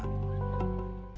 banyak banget yang terjadi